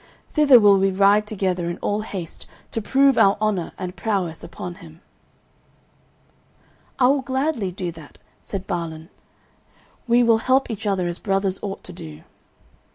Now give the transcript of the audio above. Thither will we ride together in all haste, to prove our honour and prowess upon him." "I will gladly do that," said Balan; "we will help each other as brothers ought to do."